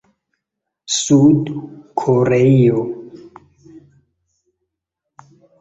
Sud Koreio